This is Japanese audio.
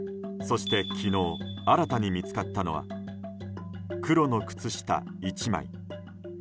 そして昨日新たに見つかったのは黒の靴下１枚。